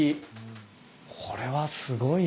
これはすごいわ。